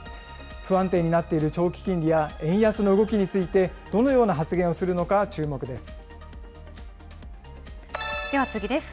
不安定になっている長期金利や、円安の動きについて、どのようなでは次です。